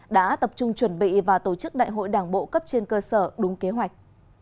đã tập trung chuẩn bị và tổ chức đại hội đảng bộ cấp trên cơ sở đúng kế hoạch